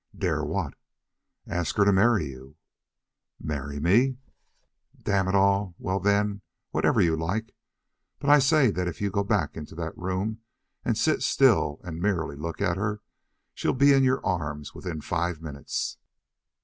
"Dare what?" "Ask her to marry you." "Marry me?" "Damn it all well, then whatever you like. But I say that if you go back into that room and sit still and merely look at her, she'll be in your arms within five minutes."